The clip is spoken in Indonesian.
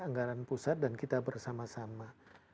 anggaran pusat dan kita bersama sama